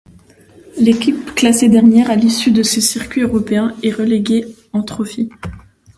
L'équipe classée dernière à l'issue de ce circuit européen est reléguée en Trophy.